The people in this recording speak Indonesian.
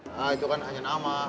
nah itu kan hanya nama